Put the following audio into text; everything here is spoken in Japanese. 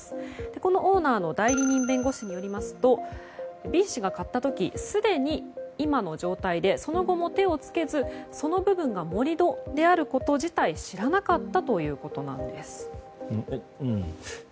このオーナーの代理人弁護士によりますとＢ氏が買った時すでに今の状態でその後も手をつけずその部分が盛り土であること自体知らなかったということです。